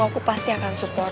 aku pasti akan support